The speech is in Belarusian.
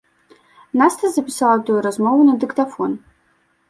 Наста запісала тую размову на дыктафон.